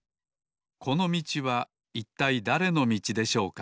このみちはいったいだれのみちでしょうか？